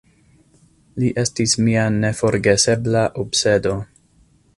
Li estis mia neforgesebla obsedo.